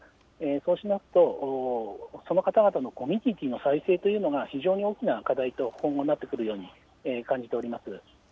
そうしますと、その方々のコミュニティの再生というのが、非常に大きな課題と今後、なってくるように感じております。